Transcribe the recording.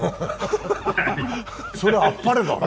それはあっぱれだね。